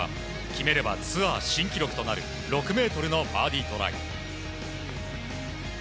決めればツアー新記録となる６ｍのバーディートライ。